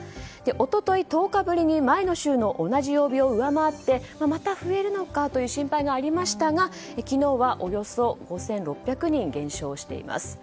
一昨日１０日ぶりに前の週の同じ曜日を上回ってまた増えるのかという心配がありましたが昨日はおよそ５６００人減少しています。